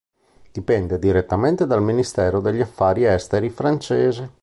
Dipende direttamente dal Ministero degli affari esteri francese.